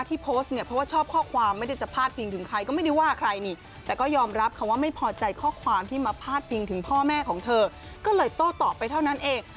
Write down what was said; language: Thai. ที่มาพาดพิงถึงพ่อแม่ของเธอก็เลยต้อตอบไปเท่านั้นเอง